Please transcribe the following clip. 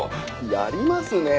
やりますねえ！